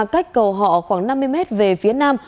cách cầu họ khoảng năm mươi mét về phía nam